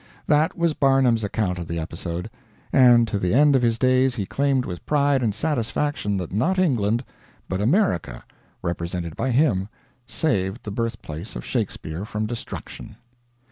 That was Barnum's account of the episode; and to the end of his days he claimed with pride and satisfaction that not England, but America represented by him saved the birthplace of Shakespeare from destruction.